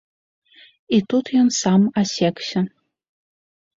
І тут ён сам асекся.